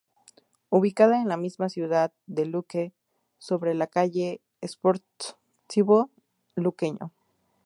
Ubicado en la misma ciudad de Luque, sobre la calle Sportivo Luqueño.